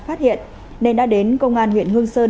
phát hiện nên đã đến công an huyện hương sơn